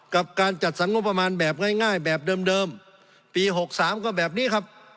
กับการจัดสรรงบประมาณแบบง่ายง่ายแบบเดิมเดิมปีหกสามก็แบบนี้ครับ